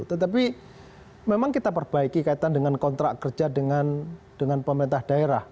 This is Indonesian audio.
tetapi memang kita perbaiki kaitan dengan kontrak kerja dengan pemerintah daerah